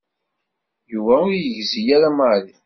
Yuba ur yegzi ara Mary.